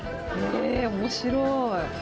面白い。